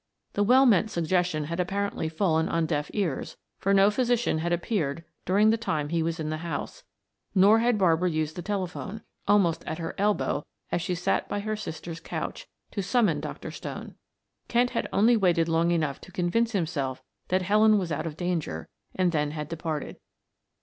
The well meant suggestion had apparently fallen on deaf ears, for no physician had appeared during the time he was in the house, nor had Barbara used the telephone, almost at her elbow as she sat by her sister's couch, to summon Dr. Stone. Kent had only waited long enough to convince himself that Helen was out of danger, and then had departed.